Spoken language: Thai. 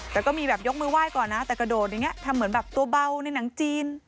แต่ก็มีแบบยกมือไหว้ก่อนนะแต่กระโดดอย่างนี้ทำเหมือนแบบตัวเบาในหนังจีน